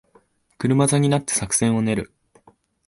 車座になって作戦を練る